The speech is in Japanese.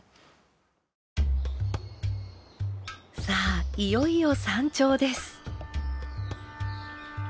さあいよいよ山頂です。